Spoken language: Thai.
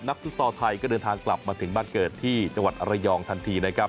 ฟุตซอลไทยก็เดินทางกลับมาถึงบ้านเกิดที่จังหวัดระยองทันทีนะครับ